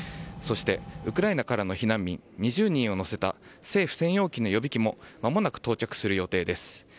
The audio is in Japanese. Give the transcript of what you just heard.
そしてウクライナからの避難民２０人を乗せた政府専用機の予備機もまもなく到着する予定です。